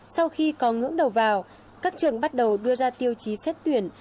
sau khi có ngưỡng đầu vào các trường bắt đầu đưa ra tiêu chí xét tuyển